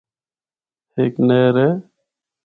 ہک نہر ہے۔